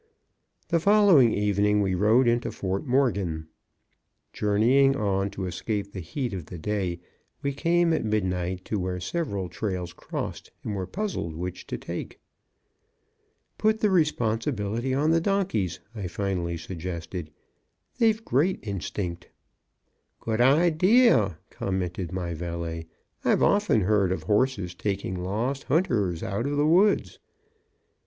The following evening we rode into Fort Morgan. Journeying on, to escape the heat of the day, we came at midnight to where several trails crossed, and were puzzled which to take. "Put the responsibility on the donkeys," I finally suggested. "They've great instinct." "Good idea," commented my valet; "I've often heard of horses taking lost hunters out of the woods."